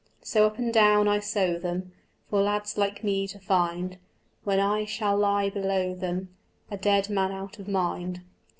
So up and down I sow them For lads like me to find, When I shall lie below them, A dead man out of mind.